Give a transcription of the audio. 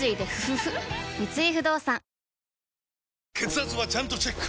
三井不動産血圧はちゃんとチェック！